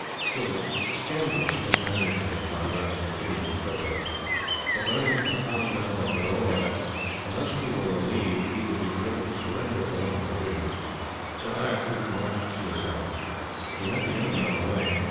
"Still, the scandalous mismanagement at Madras continued to cripple us. But, learning from the commandant at Vellore that, unless he were relieved, he would be driven to surrender for want of provisions, Sir Eyre Coote marched to his help. He met the enemy on the way.